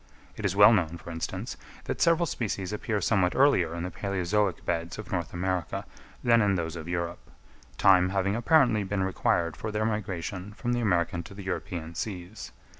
It is well known, for instance, that several species appear somewhat earlier in the palæozoic beds of North America than in those of Europe; time having apparently been required for their migration from the American to the European seas.